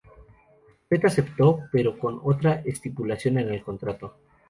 Fett aceptó, pero con otra estipulación en el contrato.